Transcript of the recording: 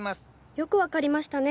よく分かりましたね。